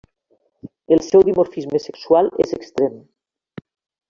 El seu dimorfisme sexual és extrem.